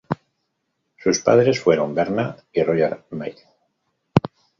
Sus padres fueron Verna y Roger Madden.